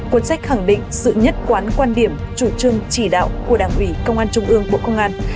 cuốn sách khẳng định sự nhất quán quan điểm chủ trương chỉ đạo của đảng ủy công an trung ương bộ công an